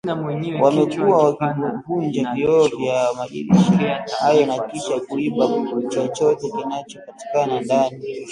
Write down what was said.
Wamekuwa wakivunja vioo vya madirisha hayo na kisha kuiba chochote kinachopatikana ndani